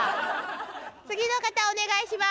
次の方お願いします。